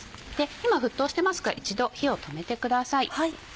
今沸騰してますから一度火を止めてください。